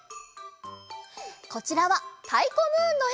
こちらは「たいこムーン」のえ。